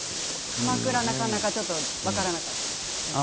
かまくらなかなか分からなかったですね。